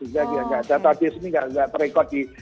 data di sini tidak terekod